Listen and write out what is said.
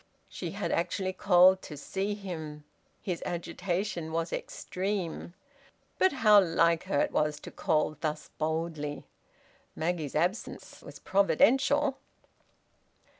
She had actually called to see him! ... His agitation was extreme... But how like her it was to call thus boldly! ... Maggie's absence was providential.